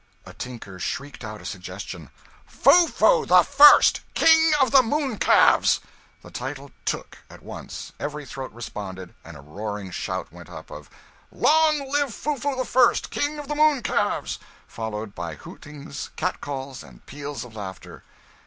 A tinker shrieked out a suggestion "Foo foo the First, King of the Mooncalves!" The title 'took,' at once, every throat responded, and a roaring shout went up, of "Long live Foo foo the First, King of the Mooncalves!" followed by hootings, cat calls, and peals of laughter.